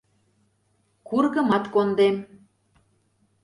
Кургымат кондем.